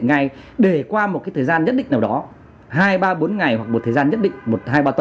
hai ba bốn ngày hoặc một thời gian nhất định một hai ba tuần nào đó